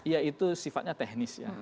ya itu sifatnya teknis ya